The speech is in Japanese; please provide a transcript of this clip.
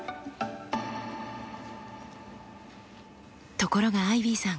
ところがアイビーさん